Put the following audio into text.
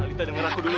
alita denger aku dulu